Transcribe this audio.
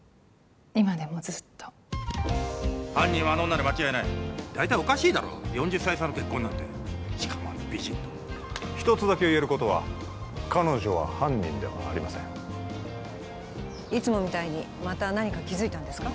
今でもずっと犯人はあの女に間違いない大体おかしいだろ４０歳差の結婚なんてしかもあんな美人と一つだけ言えることは彼女は犯人ではありませんいつもみたいにまた何か気づいたんですか？